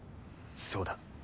そうだ。